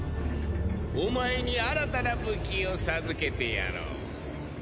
お前に新たな武器を授けてやろう。